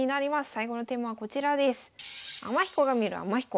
最後のテーマはこちらです。